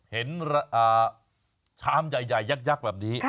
เห็นชามใหญ่ยักษ์แบบนี้